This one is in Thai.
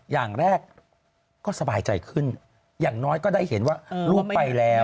อย่างแรกก็สบายใจขึ้นอย่างน้อยก็ได้เห็นว่าลูกไปแล้ว